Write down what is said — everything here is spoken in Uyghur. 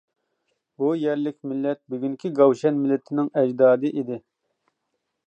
بۇ يەرلىك مىللەت بۈگۈنكى گاۋشەن مىللىتىنىڭ ئەجدادى ئىدى.